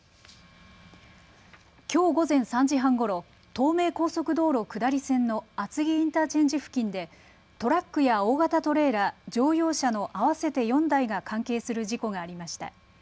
きょう午前３時半ごろ東名高速道路下り線の厚木インターチェンジ付近でトラックや大型トレーラー、乗用車の合わせて４台が関係する事故がありました。